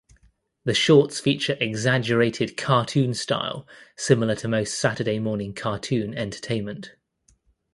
The shorts feature exaggerated cartoon style similar to most Saturday morning cartoon entertainment.